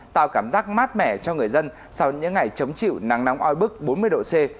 tạo cảm giác mát mẻ cho người dân sau những ngày chống chịu nắng nóng oi bức bốn mươi độ c